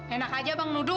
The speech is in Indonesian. enak aja bang nudu